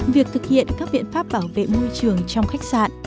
việc thực hiện các biện pháp bảo vệ môi trường trong khách sạn